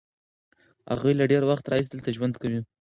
هغوی له ډېر وخت راهیسې دلته ژوند کوي.